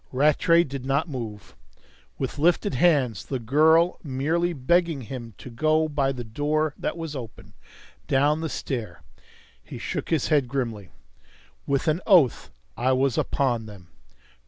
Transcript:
Rattray did not move. With lifted hands the girl was merely begging him to go by the door that was open, down the stair. He shook his head grimly. With an oath I was upon them.